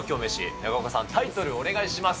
中岡さん、タイトルお願いします。